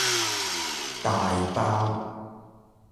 大包